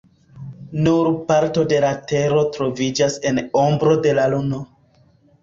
Nur parto de la tero troviĝas en ombro de la luno.